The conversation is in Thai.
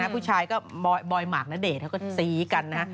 ผู้ชายก็บอยหมากณเดชน์เขาก็ซี้กันนะฮะ